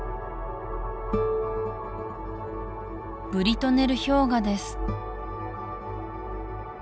ブリトネル氷河です